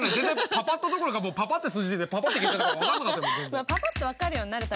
パパっとどころかもうパパって数字出てパパって消えたから分かんなかった。